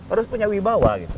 harus punya wibawa gitu